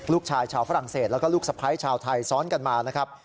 ชาวฝรั่งเศสแล้วก็ลูกสะพ้ายชาวไทยซ้อนกันมานะครับ